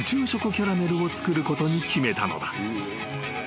キャラメルを作ることに決めたのだ］